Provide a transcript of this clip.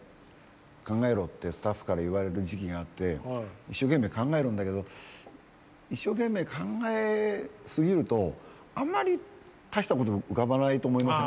考えろってスタッフから言われる時期があって一生懸命考えるんだけど一生懸命考えすぎるとあんまり大したこと浮かばないと思いません？